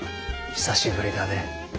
久しぶりだね。